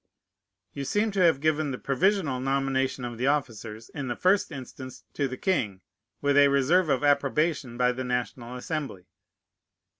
You seem to have given the provisional nomination of the officers, in the first instance, to the king, with a reserve of approbation by the National Assembly.